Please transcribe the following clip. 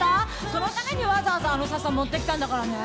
そのためにわざわざあの笹持ってきたんだからね。